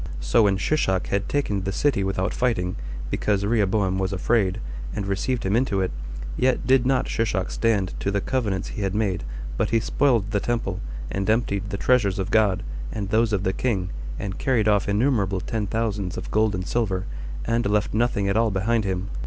So when Shishak had taken the city without fighting, because Rehoboam was afraid, and received him into it, yet did not Shishak stand to the covenants he had made, but he spoiled the temple, and emptied the treasures of God, and those of the king, and carried off innumerable ten thousands of gold and silver, and left nothing at all behind him.